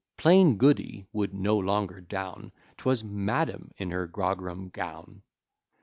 "Plain Goody" would no longer down, 'Twas "Madam," in her grogram gown.